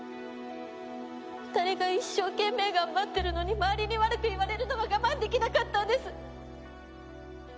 ２人が一生懸命頑張ってるのに周りに悪く言われるのが我慢できなかったんです！